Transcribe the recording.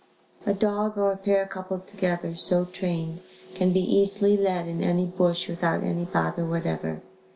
A dog or a pair coupled together, so trained, can be easily led in any bush without any bother whatever.